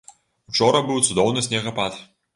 Учора быў цудоўны снегапад!